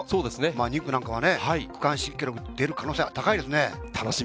２区なんかは区間新記録が出る可能性が高いですね。